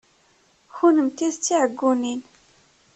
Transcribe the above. Kennemti d tiɛeggunin!